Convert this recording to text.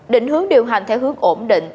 định hướng điều hành theo hướng ổn định